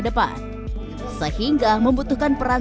dan mereka menghabiskan